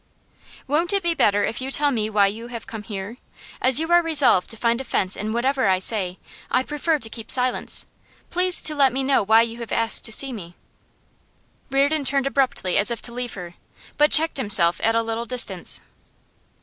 'Won't it be better if you tell me why you have come here? As you are resolved to find offence in whatever I say, I prefer to keep silence. Please to let me know why you have asked to see me.' Reardon turned abruptly as if to leave her, but checked himself at a little distance.